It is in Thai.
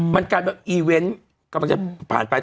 มันกลายแบบอีเวนต์ก็มันจะผ่านไป